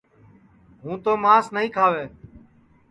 ہُوں تو مانٚس نائیں کھاوے